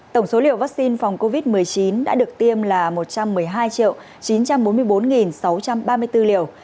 tổng số liều vaccine phòng covid một mươi chín đã được tiêm là một trăm một mươi hai chín trăm bốn mươi bốn sáu trăm ba mươi bốn liều